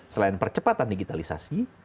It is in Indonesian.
selain percepatan digitalisasi